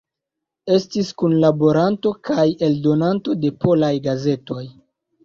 Estis kunlaboranto kaj eldonanto de polaj gazetoj.